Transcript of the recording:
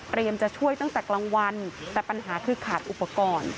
จะช่วยตั้งแต่กลางวันแต่ปัญหาคือขาดอุปกรณ์